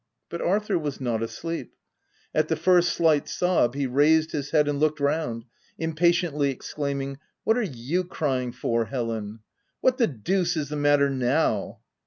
But Arthur was not asleep : at the first slight sob, he raised his head and looked round, impa tiently exclaiming —" What are you crying for, Helen ? What the deuce is the matter now?'